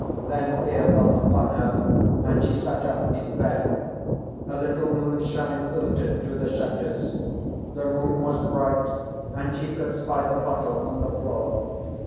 Then fear fell upon her, and she sat up in bed. A little moonshine filtered through the shutters. The room was bright, and she could spy the bottle on the floor.